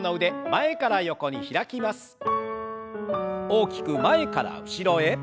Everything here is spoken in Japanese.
大きく前から後ろへ。